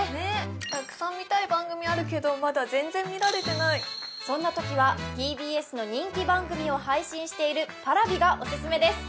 たくさん見たい番組あるけどまだ全然見られてないそんなときはＴＢＳの人気番組を配信しているＰａｒａｖｉがオススメです